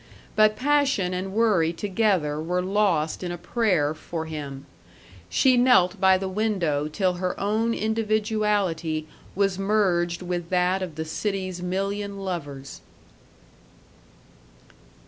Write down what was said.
But passion and worry together were lost in a prayer for him. She knelt by the window till her own individuality was merged with that of the city's million lovers.